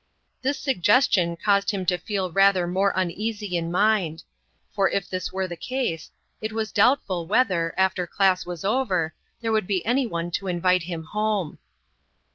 This suggestion caused him to feel rather more uneasy in mind; for, if this were the case, it was doubtful whether, after class was over, there would be any one to invite him home.